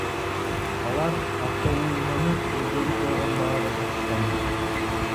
Алар автоунааны өздөрү койгон баада сатышкан.